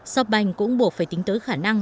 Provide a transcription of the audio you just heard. shopbank cũng buộc phải tính tới khả năng